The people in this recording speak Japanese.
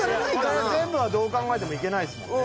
これ全部はどう考えてもいけないすもんね